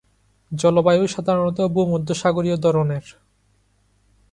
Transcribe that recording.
জলবায়ু সাধারণত ভূমধ্যসাগরীয় ধরনের।